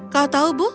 kau tahu ibu